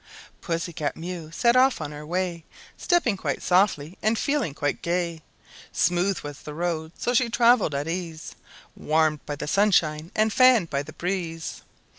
_" PUSSY CAT MEW set off on her way, Stepping quite softly and feeling quite gay. Smooth was the road, so she traveled at ease, Warmed by the sunshine and fanned by the breeze.